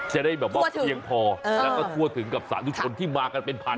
จะได้เพียงพอแล้วก็ทั่วถึงสถานุชนณ์ที่มากันเป็นพันธุ์